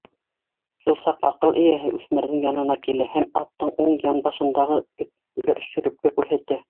Шул саҡ аҡыл эйәһе үҫмерҙең янына килә һәм аттың уң янбашындағы бер шөрөпкә күрһәтә: